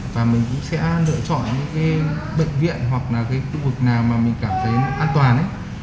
và mình cũng sẽ lựa chọn những cái bệnh viện hoặc là cái khu vực nào mà mình cảm thấy nó an toàn